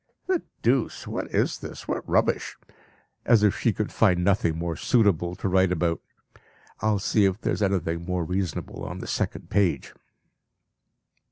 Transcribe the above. (The deuce! What is this? What rubbish! As if she could find nothing more suitable to write about! I will see if there is anything more reasonable on the second page.)